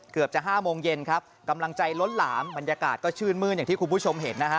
เกือบจะห้าโมงเย็นครับกำลังใจล้นหลามบรรยากาศก็ชื่นมื้นอย่างที่คุณผู้ชมเห็นนะฮะ